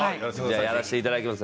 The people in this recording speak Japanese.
やらせていただきます。